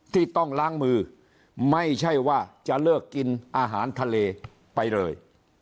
ที่ต้องล้างมือไม่ใช่ว่าจะเลิกกินอาหารทะเลไปเลย